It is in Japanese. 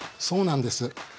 そうなんです。